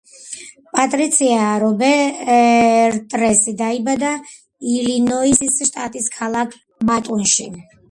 პატრიცია რობერტსი დაიბადა ილინოისის შტატის ქალაქ მატუნში.